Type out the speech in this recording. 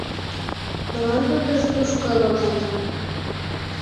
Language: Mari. Молан тудыжо тушко логале?